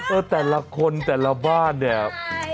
แต่ละคนแต่ละบ้านเนี่ย